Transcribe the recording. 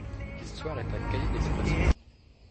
L’histoire est un cahier d’expressions.